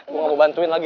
gue gak mau bantuin lagi